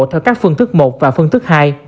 theo các phương thức một và phương thức hai